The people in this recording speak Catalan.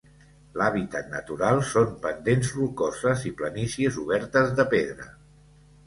L"hàbitat natural són pendents rocoses i planícies obertes de pedra.